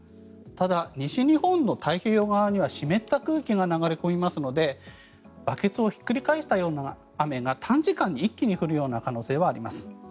ただ、西日本の太平洋側には湿った空気が流れ込みますのでバケツをひっくり返したような雨が短時間に一気に降る可能性はあります。